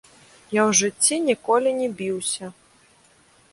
Я ў жыцці ніколі не біўся!